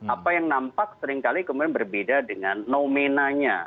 apa yang nampak seringkali kemudian berbeda dengan nomenanya